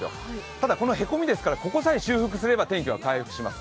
ただ、このへこみですが、ここさえ修復すれば天気は回復します。